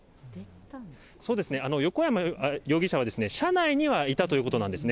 横山容疑者は、車内にはいたということなんですね。